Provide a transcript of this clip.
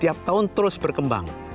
tiap tahun terus berkembang